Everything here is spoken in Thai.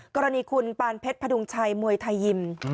กรณีคุณปานเพชรพดุงชัยมวยไทยยิม